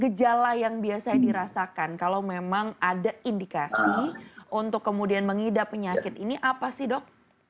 gejala yang biasanya dirasakan kalau memang ada indikasi untuk kemudian mengidap penyakit ini apa sih dok